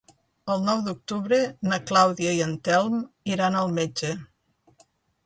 El nou d'octubre na Clàudia i en Telm iran al metge.